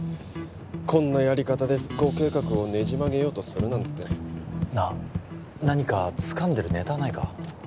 こんなやり方で復興計画をねじ曲げようとするなんてなあ何かつかんでるネタはないか？